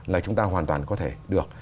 là chúng ta hoàn toàn có thể được